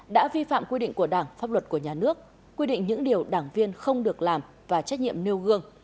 đã vi phạm quy định của đảng pháp luật của nhà nước quy định những điều đảng viên không được làm và trách nhiệm nêu gương